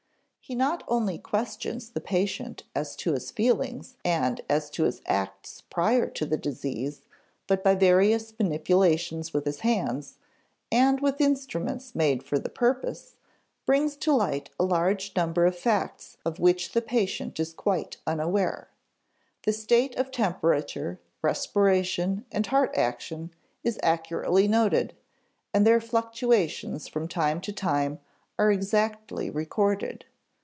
He not only questions the patient as to his feelings and as to his acts prior to the disease, but by various manipulations with his hands (and with instruments made for the purpose) brings to light a large number of facts of which the patient is quite unaware. The state of temperature, respiration, and heart action is accurately noted, and their fluctuations from time to time are exactly recorded.